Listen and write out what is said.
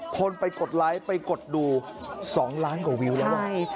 คนไปกดไลค์ไปกดดู๒ล้านกว่าวิวแล้ว